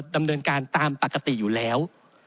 ดำเนินการตามปกติอยู่แล้ว